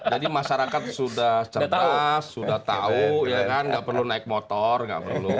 jadi masyarakat sudah cerita sudah tahu ya kan nggak perlu naik motor nggak perlu tinju kan